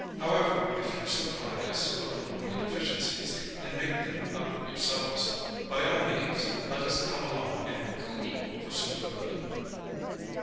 However, if you're so kind as to overlook my deficiencies, and make them up yourselves, by all means let us come along and coo ee for sweet William!"